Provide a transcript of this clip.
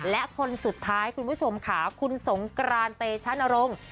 และคนสุดท้ายคุณผู้ชมค่ะคุณสงกรานเตชะนรงค์